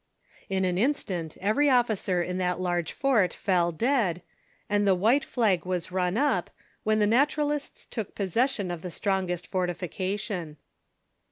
" In an instant every officer in that large fort fell dead, and the wliite flag was run up, when the Naturalists took pos session of the strongest fortification.